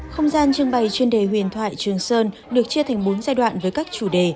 không gian trưng bày chuyên đề huyền thoại trường sơn được chia thành bốn giai đoạn với các chủ đề